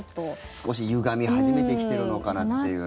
少し、ゆがみ始めてきているのかなっていうね。